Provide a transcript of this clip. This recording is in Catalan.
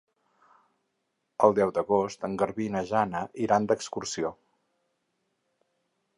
El deu d'agost en Garbí i na Jana iran d'excursió.